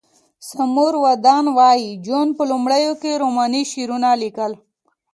سمور ودان وایی جون په لومړیو کې رومانوي شعرونه لیکل